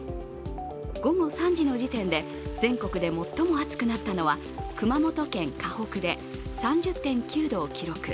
午後３時の時点で全国で最も暑くなったのは熊本県鹿北で３０．９度を記録